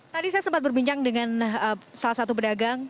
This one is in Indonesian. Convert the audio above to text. tadi saya sempat berbincang dengan salah satu pedagang